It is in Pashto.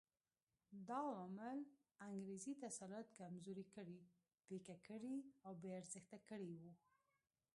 دا عوامل انګریزي تسلط کمزوري کړي، پیکه کړي او بې ارزښته کړي وو.